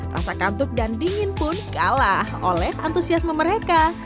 rasa kantuk dan dingin pun kalah oleh antusiasme mereka